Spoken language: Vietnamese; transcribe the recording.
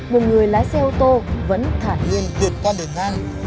một người lái xe ô tô vẫn thả nguyên tuyệt toàn đường ngang